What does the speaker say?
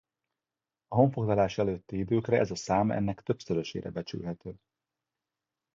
A honfoglalás előtti időkre ez a szám ennek többszörösére becsülhető.